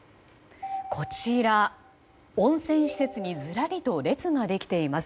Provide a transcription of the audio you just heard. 温泉施設にずらりと列ができています。